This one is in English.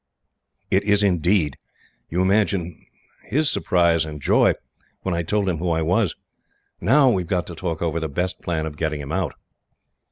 "It is, indeed. You may imagine his surprise and joy, when I told him who I was. Now we have got to talk over the best plan of getting him out."